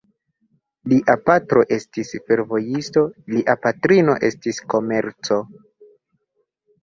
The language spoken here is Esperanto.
Lia patro estis fervojisto, lia patrino estis komerco.